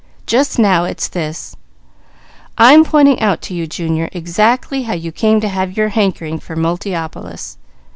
Just now, it's this: I'm pointing out to you Junior, exactly how you came to have your hankering for Multiopolis.